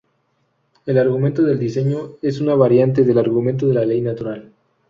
El argumento del diseño es una variante del argumento de la ley natural.